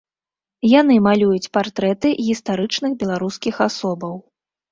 Яны малююць партрэты гістарычных беларускіх асобаў.